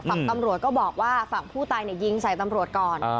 ฝั่งตำรวจก็บอกว่าฝั่งผู้ตายยิงใส่ตำรวจก่อน